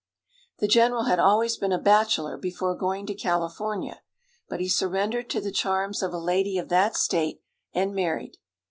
The general had always been a bachelor before going to California, but he surrendered to the charms of a lady of that state, and married.